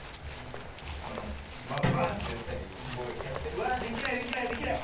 バーンってやったりこうやってうわできないできないできない！